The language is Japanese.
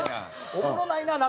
おもろないな夏。